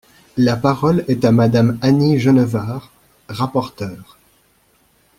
La parole est à Madame Annie Genevard, rapporteure.